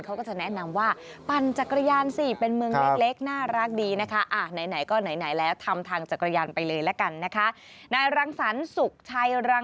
เขาก็จะแนะนำว่าปั่นจักรยานสิเป็นเมืองเล็กน่ารักดีนะคะ